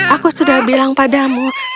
aku sudah bilang padamu